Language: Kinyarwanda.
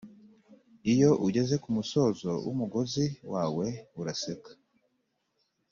iyo ugeze ku musozo wumugozi wawe uraseka,